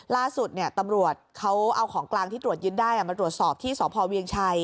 ล่าสุดตำรวจเขาเอาของกลางที่ตรวจยึดได้มาตรวจสอบที่สพเวียงชัย